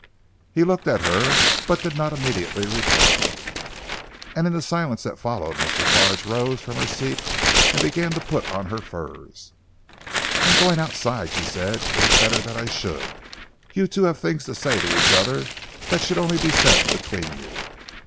He looked at her but did not immediately reply. And in the silence that followed Miss La Farge rose from her seat and began to put on her furs. "I am going outside," she said. "It is better that I should. You two have things to say to each other that should only be said between you."